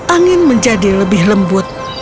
angin menjadi lebih lembut